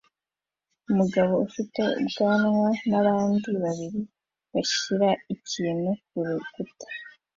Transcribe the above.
Umugabo ufite ubwanwa nabandi babiri bashyira ikintu kurukuta